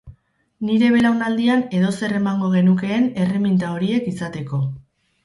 Nire belaunaldian edozer emango genukeen erreminta horiek izateko.